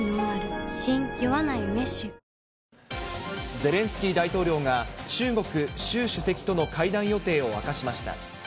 ゼレンスキー大統領が、中国、習主席との会談予定を明かしました。